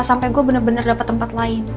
sampai gue bener bener dapet tempat lain